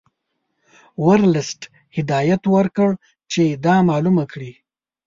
ورلسټ هدایت ورکړ چې دا معلومه کړي.